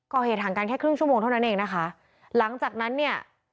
ห่างกันแค่ครึ่งชั่วโมงเท่านั้นเองนะคะหลังจากนั้นเนี่ย